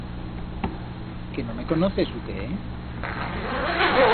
Qué no me conoces u qué?